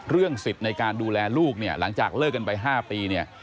สิทธิ์ในการดูแลลูกเนี่ยหลังจากเลิกกันไป๕ปีเนี่ย